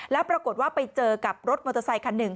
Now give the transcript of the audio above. แล้วปรากฏว่าไปเจอกับรถมอเตอร์ไซคันหนึ่ง